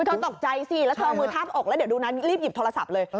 เธอตกใจสิแล้วเธอเอามือทาบอกแล้วเดี๋ยวดูนั้นรีบหยิบโทรศัพท์เลย